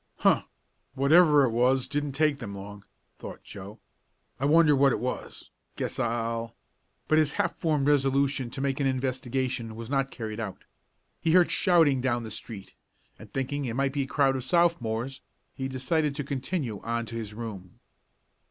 "Huh! Whatever it was didn't take them long," thought Joe. "I wonder what it was? Guess I'll " But his half formed resolution to make an investigation was not carried out. He heard shouting down the street, and thinking it might be a crowd of Sophomores, he decided to continue on to his room.